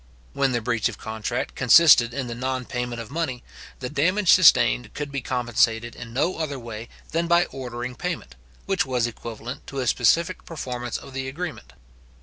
When the breach of contract consisted in the non payment of money, the damage sustained could be compensated in no other way than by ordering payment, which was equivalent to a specific performance of the agreement.